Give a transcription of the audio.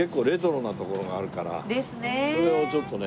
それをちょっとね。